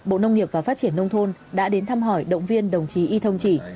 bộ nông nghiệp và phát triển nông thôn đã đến thăm hỏi động viên đồng chí y thông chỉ